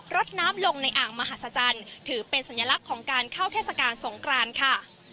ดน้ำลงในอ่างมหัศจรรย์ถือเป็นสัญลักษณ์ของการเข้าเทศกาลสงกรานค่ะ